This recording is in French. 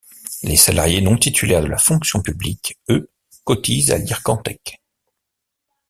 Les salariés non titulaires de la fonction publique, eux, cotisent à l'Ircantec.